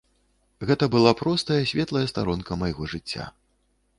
Гэта была простая светлая старонка майго жыцця.